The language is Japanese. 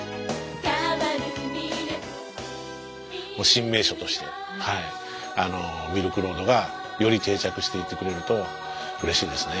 新名所としてミルクロードがより定着していってくれるとうれしいですね